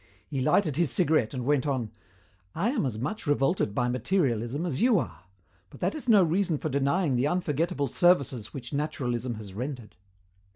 He lighted his cigarette and went on, "I am as much revolted by materialism as you are, but that is no reason for denying the unforgettable services which naturalism has rendered.